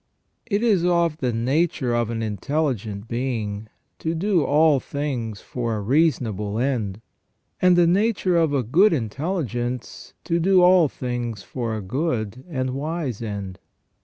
It is of the nature of an intelligent being to do all things for a reasonable end ; and the nature of a good intelligence to do all things for a good and wise end.